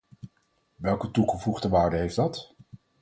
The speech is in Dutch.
Welke toegevoegde waarde heeft dat?